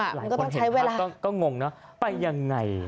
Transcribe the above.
หลายคนเห็นภาพก็งงนะไปยังไง